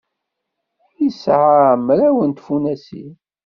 Yesɛa mraw n tfunasin.